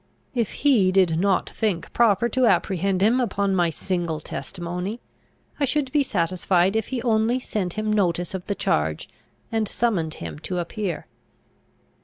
If he did not think proper to apprehend him upon my single testimony, I should be satisfied if he only sent him notice of the charge, and summoned him to appear.